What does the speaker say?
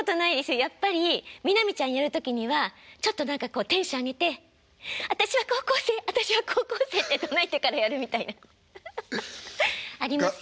やっぱり南ちゃんやる時にはちょっと何かこうテンション上げて「私は高校生私は高校生」って唱えてからやるみたいな。ありますよ。